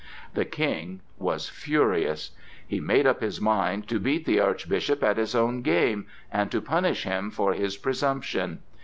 The King was furious. He made up his mind to beat the Archbishop at his own game and to punish him for his presumption.